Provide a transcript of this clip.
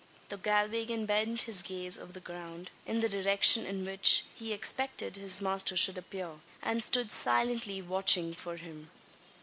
The Galwegian bent his gaze over the ground, in the direction in which he expected his master should appear; and stood silently watching for him.